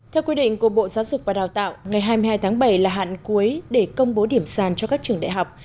theo quy định của bộ giáo dục và đào tạo ngày hai mươi hai tháng bảy là hạn cuối để công bố điểm sàn cho các trường đại học